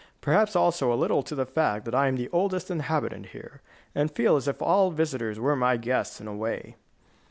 "Perhaps also a little to the fact that I am the oldest inhabitant here, and feel as if all visitors were my guests, in a way."